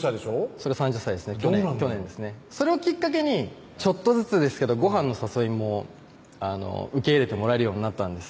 それ３０歳ですね去年ですねそれをきっかけにちょっとずつですけどごはんの誘いも受け入れてもらえるようになったんです